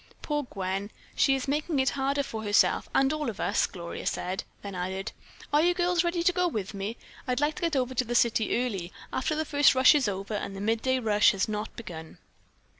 "Poor Gwen, she is making it harder for herself and for all of us," Gloria said; then added, "Are you girls ready to go with me? I'd like to get over to the city early, after the first rush is over and the midday rush has not begun."